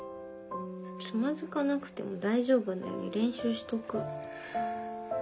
つまずかなくても大丈夫なように練習しとく。